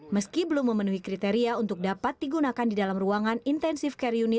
meski belum memenuhi kriteria untuk dapat digunakan di dalam ruangan intensif karyoterapi